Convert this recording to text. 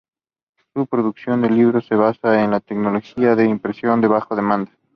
Su producción de libros se basa en la tecnología de impresión bajo demanda.